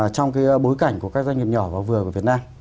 trong bối cảnh của các doanh nghiệp nhỏ và vừa của việt nam